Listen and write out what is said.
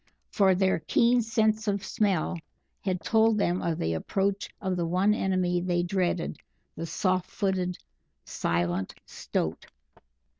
For their keen sense of smell had told them of the approach of the one enemy they dreaded the soft footed, silent Stoat.